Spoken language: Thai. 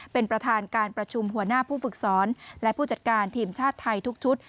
เป็นประธานการประชุมหัวหน้าผู้ฝึกสอนและผู้จัดการทีมชาติไทยทุกชุด